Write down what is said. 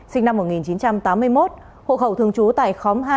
sinh năm một nghìn chín trăm tám mươi một hộ khẩu thường trú tại khóm hai